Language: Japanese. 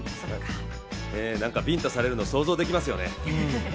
ビンタされるの、想像できますよね。